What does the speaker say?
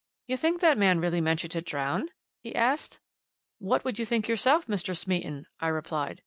"You think that man really meant you to drown?" he asked. "What would you think yourself, Mr. Smeaton?" I replied.